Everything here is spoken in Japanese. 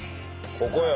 ここよ。